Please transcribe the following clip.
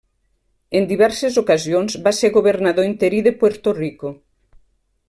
En diverses ocasions va ser Governador Interí de Puerto Rico.